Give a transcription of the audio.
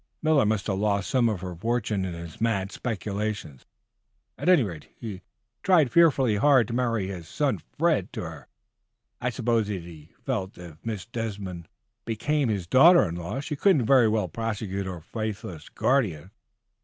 Miller must have lost some of her fortune in his mad speculations. At any rate, he tried fearfully hard to marry his son, Fred, to her. I suppose he felt that if Miss Desmond became his daughter in law she couldn't very well prosecute her faithless guardian.